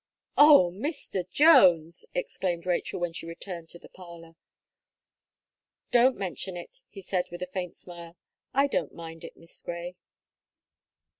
"Oh! Mr. Jones!" exclaimed Rachel, when she returned to the parlour. "Don't mention it," he said with a faint smile, "I don't mind it, Miss Gray."